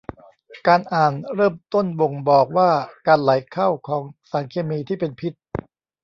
การอ่านเริ่มต้นบ่งบอกว่าการไหลเข้าของสารเคมีที่เป็นพิษ